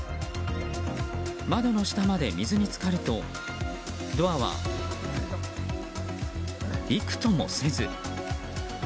窓の下まで水に浸かるとドアはびくともせず。